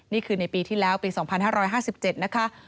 นี่คือในปีที่แล้วปี๒๕๕๗นะคะ